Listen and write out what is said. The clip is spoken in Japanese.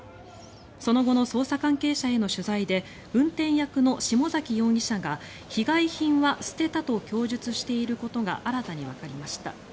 その後の捜査関係者への取材で運転役の下崎容疑者が被害品は捨てたと供述していることが新たにわかりました。